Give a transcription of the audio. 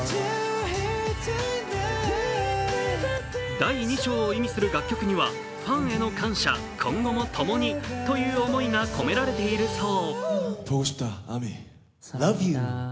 第２章を意味する楽曲にはファンへの感謝、今後も共にという思いが込められているそう。